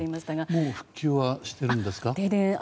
もう復旧はしてるんですか？